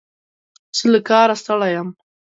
زه له کاره ستړی یم.